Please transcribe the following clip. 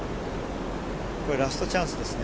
これ、ラストチャンスですね。